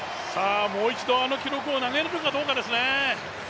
もう一度あの記録を投げられるかどうかですね。